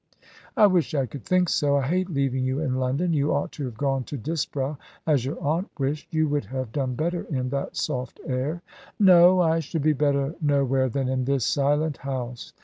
"I wish I could think so. I hate leaving you in London. You ought to have gone to Disbrowe, as your aunt wished. You would have done better in that soft air." "No. I should be better nowhere than in this silent house.